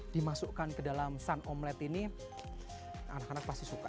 dimasukkan ke dalam sun omlet ini anak anak pasti suka